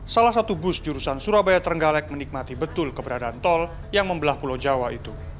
salah satu bus jurusan surabaya trenggalek menikmati betul keberadaan tol yang membelah pulau jawa itu